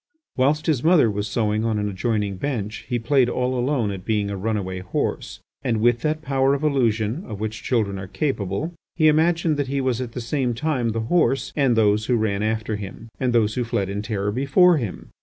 Whilst his mother was sewing on an adjoining bench, he played all alone at being a run away horse, and with that power of illusion, of which children are capable, he imagined that he was at the same time the horse, and those who ran after him, and those who fled in terror before him.